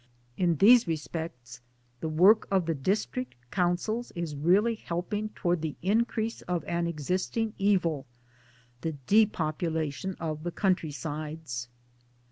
In these respects the work of the District Councils is really helping towards the increase of an existing evil, the depopulation of the country sides.